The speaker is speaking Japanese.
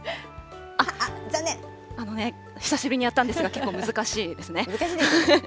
あのね、久しぶりにやったんですが、結構難しいですね。